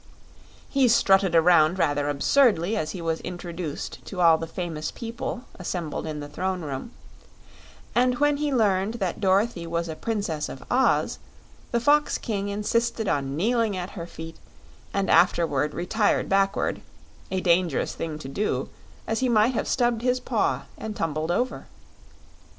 He strutted around rather absurdly as he was introduced to all the famous people assembled in the Throne Room, and when he learned that Dorothy was a Princess of Oz the Fox King insisted on kneeling at her feet and afterward retired backward a dangerous thing to do, as he might have stubbed his paw and tumbled over.